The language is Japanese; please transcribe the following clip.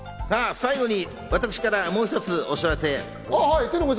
最後に私からもう一つお知らせ。